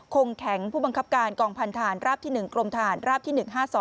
คงแข็งผู้บังคับการกองพันธานราบที่๑กรมทหารราบที่๑๕๒